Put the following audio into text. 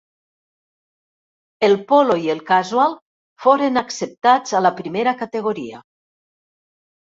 El Polo i el Casual foren acceptats a la Primera Categoria.